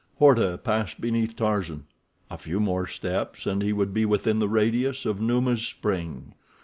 Horta passed beneath Tarzan—a few more steps and he would be within the radius of Numa's spring.